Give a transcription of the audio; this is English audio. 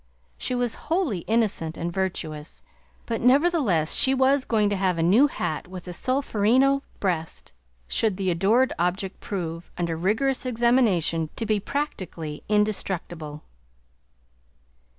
She was wholly innocent and virtuous, but nevertheless she was going to have a new hat with the solferino breast, should the adored object prove, under rigorous examination, to be practically indestructible.